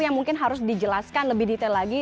yang mungkin harus dijelaskan lebih detail lagi